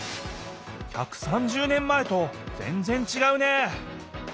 １３０年前とぜんぜんちがうね